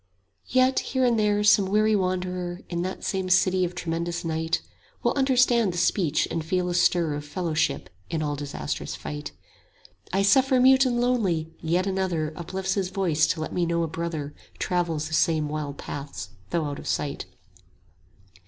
Yes, here and there some weary wanderer In that same city of tremendous night, 30 Will understand the speech and feel a stir Of fellowship in all disastrous fight; "I suffer mute and lonely, yet another Uplifts his voice to let me know a brother Travels the same wild paths though out of sight."